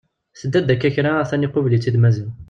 Tedda-d akka kra a-t-an iqubel-itt-id Maziɣ.